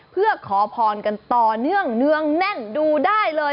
เพื่อขอพรกันต่อเนื่องเนืองแน่นดูได้เลย